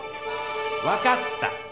わかった。